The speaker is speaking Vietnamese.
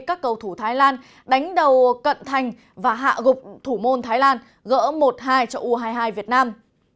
các cầu thủ thái lan đánh đầu cận thành và hạ gục thủ môn thái lan gỡ một hai cho u hai mươi hai việt nam